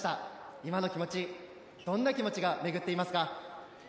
今の気持ち、どんな気持ちが巡っていますか？